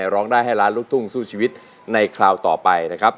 ร้องได้ให้ล้านลูกทุ่งสู้ชีวิตในคราวต่อไปนะครับ